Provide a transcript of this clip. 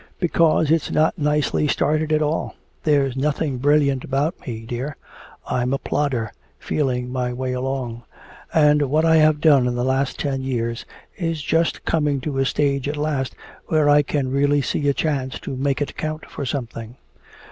"Because it's not nicely started at all. There's nothing brilliant about me, dear I'm a plodder, feeling my way along. And what I have done in the last ten years is just coming to a stage at last where I can really see a chance to make it count for something.